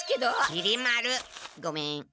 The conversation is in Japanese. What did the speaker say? きり丸。ごめん。